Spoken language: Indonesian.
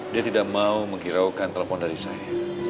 dia tidak mau menghiraukan telepon dari saya